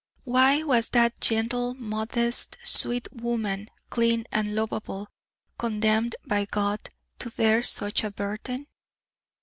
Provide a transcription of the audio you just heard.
Why was that gentle, modest, sweet woman, clean and lovable, condemned by God to bear such a burden?